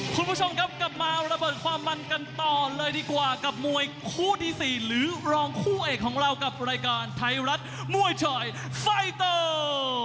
คุณผู้ชมครับกลับมาระเบิดความมันกันต่อเลยดีกว่ากับมวยคู่ที่สี่หรือรองคู่เอกของเรากับรายการไทยรัฐมวยชายไฟเตอร์